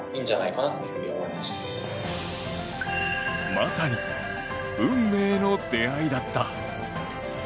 まさに、運命の出会いだった。